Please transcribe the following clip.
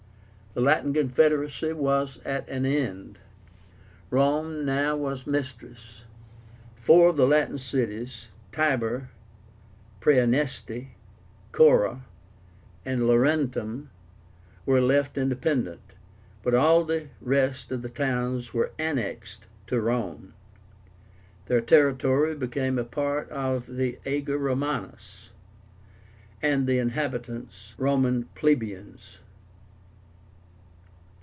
The Latin confederacy was at an end. Rome now was mistress. Four of the Latin cities, TIBUR, PRAENESTE, CORA, and LAURENTUM, were left independent, but all the rest of the towns were annexed to Rome. Their territory became part of the Ager Románus, and the inhabitants Roman plebeians.